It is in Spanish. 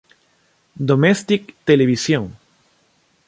Domestic Television.